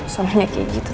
soalnya kayak gitu tuh kan